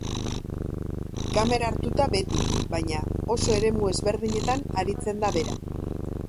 Kamera hartuta beti, baina oso eremu ezberdinetan aritzen da bera.